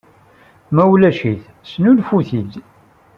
Ma ulac-it, snulfu-t-id.